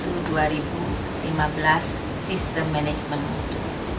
yang memiliki penggunaan yang berkualitas dan profesional